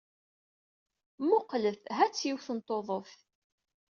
Mmuqqlet! Ha-tt yiwet n tuḍut.